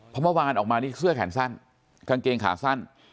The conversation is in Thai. เพราะเมื่อวานออกมานี่เสื้อแขนสั้นกางเกงขาสั้น